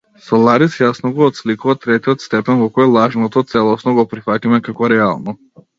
Соларис јасно го отсликува третиот степен, во кој лажното целосно го прифаќаме како реално.